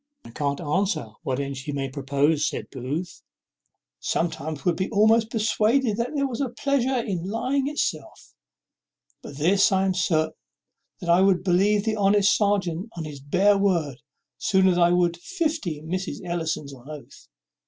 "I can't answer what end she may propose," said Booth. "Sometimes one would be almost persuaded that there was a pleasure in lying itself. But this I am certain, that I would believe the honest serjeant on his bare word sooner than I would fifty Mrs. Ellisons on oath.